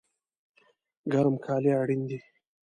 ګرم کالی اړین دي